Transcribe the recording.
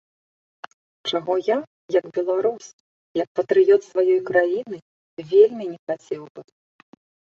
Чаго я як беларус, як патрыёт сваёй краіны вельмі не хацеў бы.